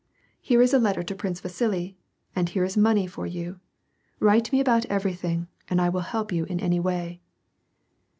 Here is a letter to Prince Vasili, and here is money for you. Write me about every thing, and I will help you in any way."